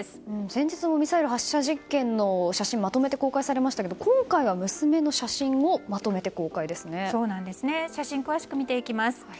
先日のミサイルの発射実験の写真がまとめて公開されましたが今回は娘の写真を写真を詳しく見ていきます。